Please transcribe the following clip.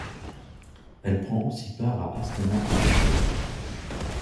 Elle prend aussi part à Astana Art Show.